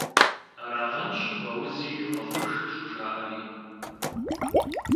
Арагъэнщ «Гъэузи – гъэхъуж!» щӏыжаӏари.